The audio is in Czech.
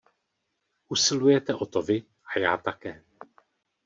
Usilujete o to vy a já také.